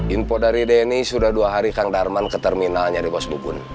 info dari denny sudah dua hari kang darman ke terminalnya di pos dukun